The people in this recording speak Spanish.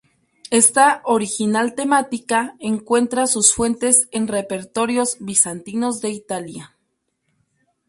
Esta original temática encuentra sus fuentes en repertorios bizantinos de Italia.